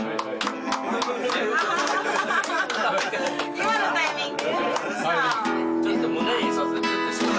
今のタイミング？